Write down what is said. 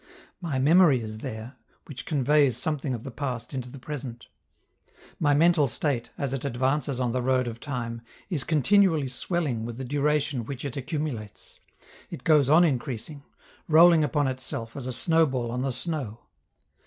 My memory is there, which conveys something of the past into the present. My mental state, as it advances on the road of time, is continually swelling with the duration which it accumulates: it goes on increasing rolling upon itself, as a snowball on the snow.